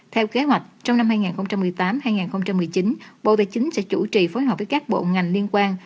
theo kế hoạch trong năm hai nghìn một mươi tám hai nghìn một mươi chín bộ tài chính sẽ chủ trì phối hợp với các bộ ngành liên quan